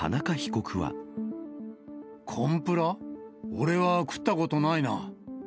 俺は食ったことないな。